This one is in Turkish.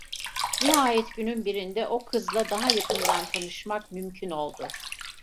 Nihayet günün birinde o kızla daha yakından tanışmak mümkün oldu.